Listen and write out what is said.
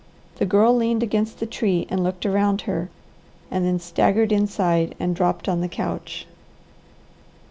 The Girl leaned against the tree and looked around her and then staggered inside and dropped on the couch.